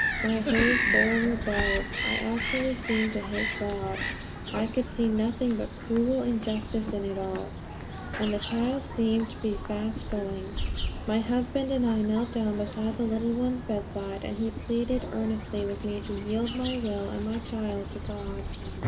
My whole soul rebelled; I actually seemed to hate God; I could see nothing but cruel injustice in it all; and the child seemed to be fast going. My husband and I knelt down beside the little one's bedside, and he pleaded earnestly with me to yield my will and my child to God.